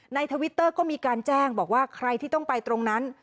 ทวิตเตอร์ก็มีการแจ้งบอกว่าใครที่ต้องไปตรงนั้น